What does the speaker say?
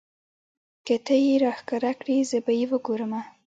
که تۀ یې راښکاره کړې زه به یې وګورمه.